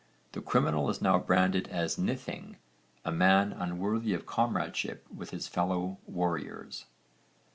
The criminal is now branded as nithing, a man unworthy of comradeship with his fellow warriors.